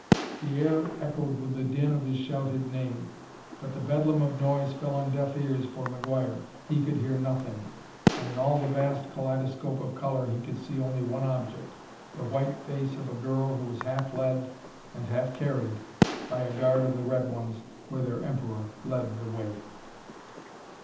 The air echoed with the din of his shouted name, but the bedlam of noise fell on deaf ears for McGuire. He could hear nothing, and in all the vast kaleidoscope of color he could see only one object the white face of a girl who was half led and half carried by a guard of the red ones, where their Emperor led the way.